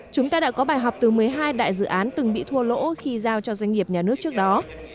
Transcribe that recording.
chúng ta đã có bài học từ một mươi hai đại dự án từng bị thua lỗ khi giao cho doanh nghiệp nhà nước trước đó